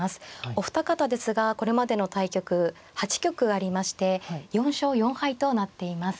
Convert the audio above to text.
お二方ですがこれまでの対局８局ありまして４勝４敗となっています。